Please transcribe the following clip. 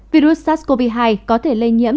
virus sars cov hai có thể lây nhiễm